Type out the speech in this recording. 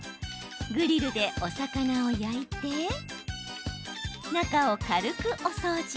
グリルでお魚を焼いて中を軽くお掃除。